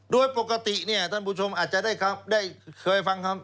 โดยปกติเนี่ยท่านผู้ชมอาจจะได้เคยฟังคำ